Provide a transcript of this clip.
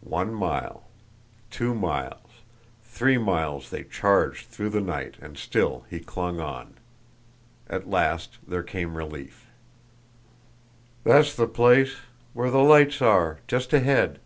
One mile, two miles, three miles they charged through the night, and still he clung on. At last there came relief. "That's the place, where the lights are just ahead."